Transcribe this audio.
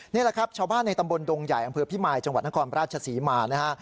นี่แหละครับชาวบ้านในตำบลดงใหญ่อำเภอพิมายจังหวัดนครราชศรีมานะฮะ